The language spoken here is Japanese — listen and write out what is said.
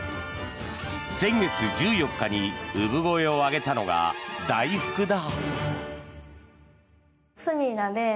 先月１４日に産声を上げたのがだいふくだ。